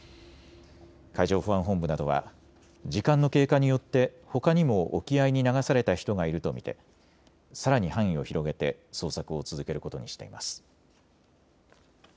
海上保安本部などは時間の経過によってほかにも沖合に流された人がいると見てさらに範囲を広げて捜索を続けることにしています。